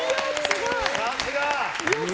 さすが！